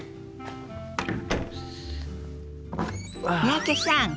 三宅さん